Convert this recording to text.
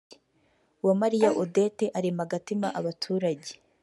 Uwamariya Odette arema agatima abaturage